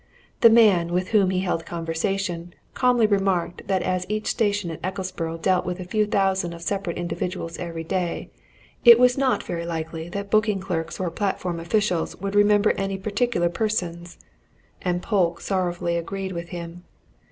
The man with whom he held conversation calmly remarked that as each station at Ecclesborough dealt with a few thousands of separate individuals every day, it was not very likely that booking clerks or platform officials would remember any particular persons, and Polke sorrowfully agreed with him.